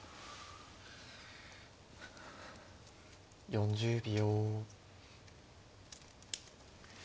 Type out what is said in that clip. ４０秒。